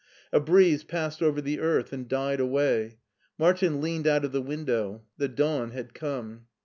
A breeze passed over the earth and died away. Martin leaned out of the window. The dawn had come.